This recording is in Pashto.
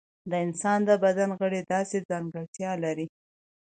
د انسان د بدن غړي داسې ځانګړتیا لري.